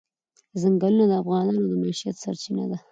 ځنګلونه د افغانانو د معیشت سرچینه ده.